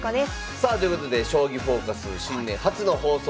さあということで「将棋フォーカス」新年初の放送となります。